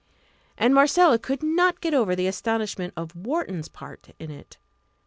And Marcella could not get over the astonishment of Wharton's part in it.